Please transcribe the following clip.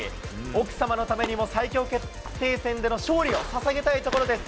奥様のためにも、最強決定戦での勝利をささげたいところです。